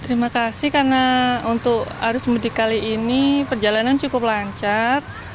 terima kasih karena untuk arus mudik kali ini perjalanan cukup lancar